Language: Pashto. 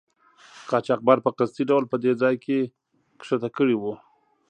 قاچاقبر په قصدي ډول په دې ځای کې ښکته کړي وو.